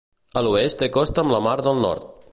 A l'oest té costa amb la Mar del Nord.